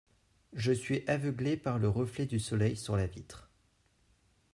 Je suis aveuglé par le reflet du soleil sur la vitre.